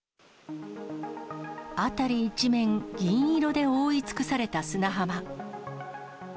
辺り一面、銀色で覆い尽くされた砂浜。